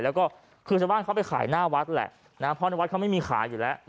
แล้วก็คือชาวบ้านเขาไปขายหน้าวัดแหละนะเพราะในวัดเขาไม่มีขายอยู่แล้ว